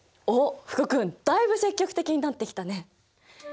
おっ福君だいぶ積極的になってきたね。